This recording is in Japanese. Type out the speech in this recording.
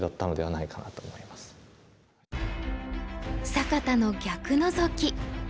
坂田の逆ノゾキ。